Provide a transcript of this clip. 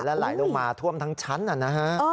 และไหลลงมาท่วมทั้งชั้นนะฮะ